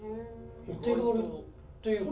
お手軽っていうか。